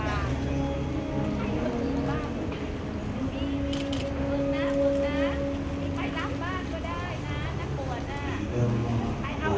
สวัสดีครับสวัสดีครับ